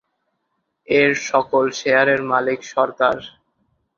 এর সকল শেয়ারের মালিক সরকার।